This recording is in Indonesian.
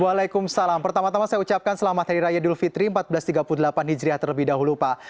waalaikumsalam pertama tama saya ucapkan selamat hari raya idul fitri seribu empat ratus tiga puluh delapan hijriah terlebih dahulu pak